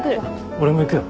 俺も行くよ。